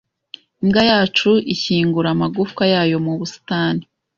Imbwa yacu ishyingura amagufwa yayo mu busitani.